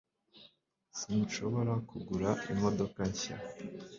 sinshobora kugura imodoka nshya